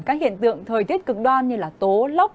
các hiện tượng thời tiết cực đoan như tố lốc